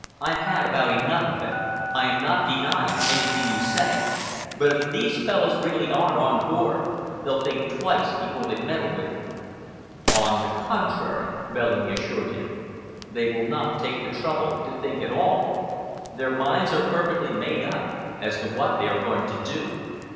"I've had about enough of it. I am not denying anything you say, but if these fellows really are on board, they'll think twice before they meddle with me." "On the contrary," Bellamy assured him, "they will not take the trouble to think at all. Their minds are perfectly made up as to what they are going to do.